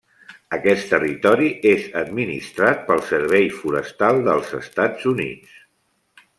Aquest territori és administrat pel Servei Forestal dels Estats Units.